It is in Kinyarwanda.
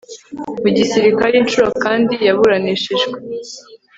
mu gisirikare incuro kandi yaburanishijwe